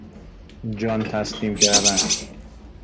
جان تسلیم کردن